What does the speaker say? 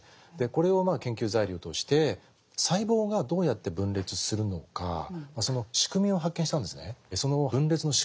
これを研究材料として細胞がどうやって分裂するのかその仕組みを発見したんですね。